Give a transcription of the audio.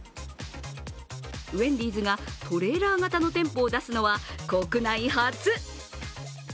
ウェンディーズがトレーラー型の店舗を出すのは国内初。